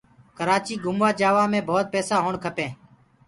ڪرآچيٚ گھموآ جآوآ مي ڀوت پيسآ هوو کپينٚ